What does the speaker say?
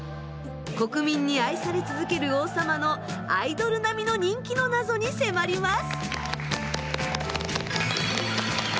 国民に愛され続ける王様のアイドル並みの人気の謎に迫ります。